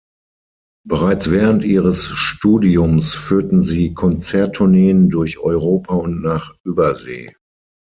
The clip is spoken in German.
Bereits während ihres Studiums führten sie Konzerttourneen durch Europa und nach Übersee.